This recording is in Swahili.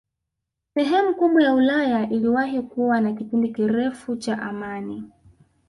Sehemu kubwa ya Ulaya iliwahi kuwa na kipindi kirefu cha amani